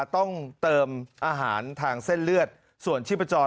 ต้องเติมอาหารทางเส้นเลือดส่วนชิ้นประจอน